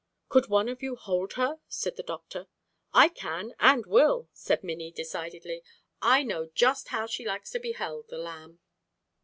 "Could one of you hold her?" said the doctor. "I can and will," said Minnie decidedly. "I know just how she likes to be held, the lamb!"